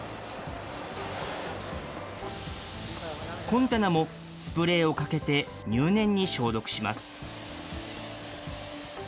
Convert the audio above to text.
コンテナもスプレーをかけて、入念に消毒します。